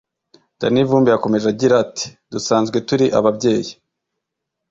Dany Vumbi yakomeje agira ati “Dusanzwe turi ababyeyi